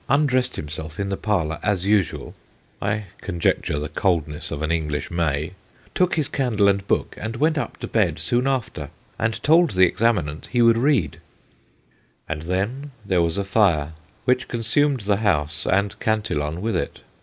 . undressed himself in the Parlour as usual/ I conjec ture the coldness of an English May ' took his candle and Book, and went up to Bed soon after ; and told the Examinant he would read/ And then there was a fire, which consumed the house and Cantillon with it.